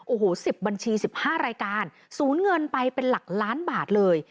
โอ้โห๑๐บัญชี๑๕รายการสูญเงินไปเป็นหลักล้านบาทเลย